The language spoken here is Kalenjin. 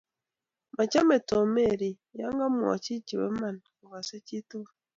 machamei Tom Mary yo kamwoch be bo Iman kokasei chitugul